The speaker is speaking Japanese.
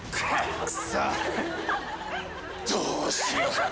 どうしようかな。